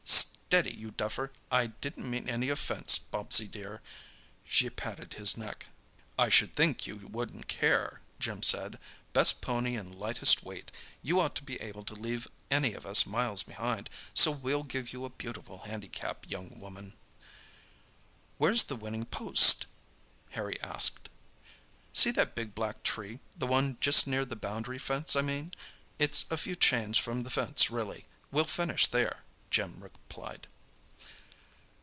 "Steady, you duffer; I didn't mean any offence, Bobsie dear," She patted his neck. "I should think you wouldn't care," Jim said. "Best pony and lightest weight! You ought to be able to leave any of us miles behind, so we'll give you a beautiful handicap, young woman!" "Where's the winning post?" Harry asked. "See that big black tree—the one just near the boundary fence, I mean? It's a few chains from the fence, really. We'll finish there," Jim replied.